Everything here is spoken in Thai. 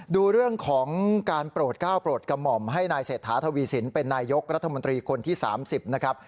ดูเรื่องของการโปรดก้าวโปรดกระหม่อมให้นายเศรษฐาทวีสินเป็นนายยกรัฐมนตรีคนที่๓๐นะครับ